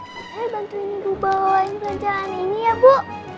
saya bantuin ibu bawa bawain belanjaan ini ya bu